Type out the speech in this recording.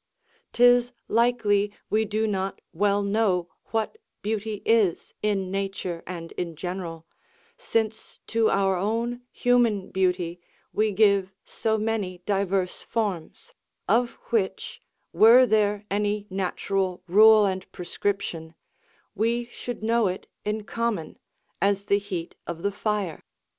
'Tis likely we do not well know what beauty is in nature and in general, since to our own human beauty we give so many divers forms, of which, were there any natural rule and prescription, we should know it in common, as the heat of the fire.